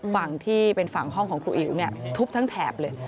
ฝั่งที่เป็นฝั่งห้องของครูอิ๋วทุบทั้งแถบเลย